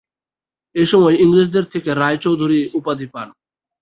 এসময় ইংরেজদের থেকে রায় চৌধুরী উপাধি পান।